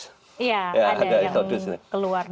ya ada yang keluar dari natuna